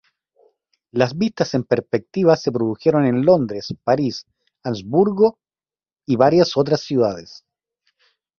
Las vistas en perspectiva se produjeron en Londres, París, Augsburgo y varias otras ciudades.